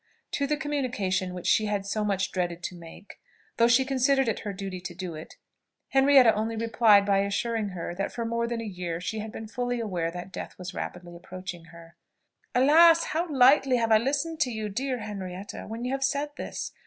To the communication which she so much dreaded to make, though she considered it her duty to do it, Henrietta only replied by assuring her that for more than a year she had been fully aware that death was rapidly approaching her. "Alas! how lightly have I listened to you, dear Henrietta, when you have said this!"